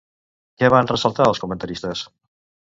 Què van ressaltar els comentaristes?